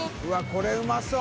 これうまそう！